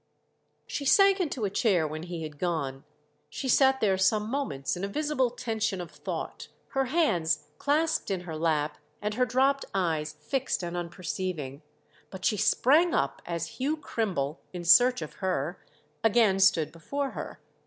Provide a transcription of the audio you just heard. She sank into a chair when he had gone; she sat there some moments in a visible tension of thought, her hands clasped in her lap and her dropped eyes fixed and unperceiving; but she sprang up as Hugh Crimble, in search of her, again stood before her.